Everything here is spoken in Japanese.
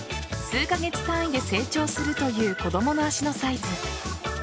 数カ月単位で成長するという子供の足のサイズ。